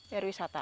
di jalur wisata